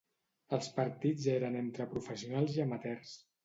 Els partits eren entre professionals i amateurs.